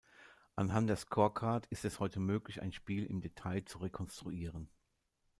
Anhand der Scorecard ist es heute möglich, ein Spiel im Detail zu rekonstruieren.